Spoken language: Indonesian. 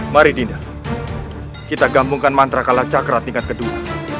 mari dinda kita gambungkan mantra kalah cakra tingkat kedua